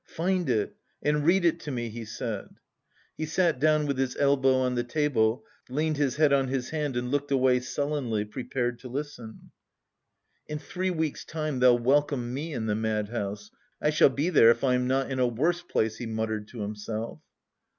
"Find it and read it to me," he said. He sat down with his elbow on the table, leaned his head on his hand and looked away sullenly, prepared to listen. "In three weeks' time they'll welcome me in the madhouse! I shall be there if I am not in a worse place," he muttered to himself.